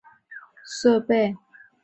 各层楼皆装设火灾自动警报设备。